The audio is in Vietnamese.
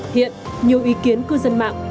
hiện nhiều ý kiến cư dân mạng